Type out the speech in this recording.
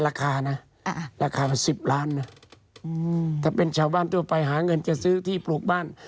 ราคานะราคา๑๐ล้านนะถ้าเป็นชาวบ้านทั่วไปหาเงินจะซื้อที่ปลูกบ้าน